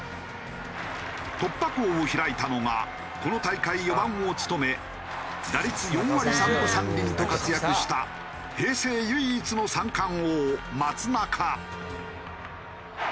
突破口を開いたのがこの大会４番を務め打率４割３分３厘と活躍した平成唯一の三冠王松中。